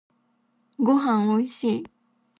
ごはんおいしい。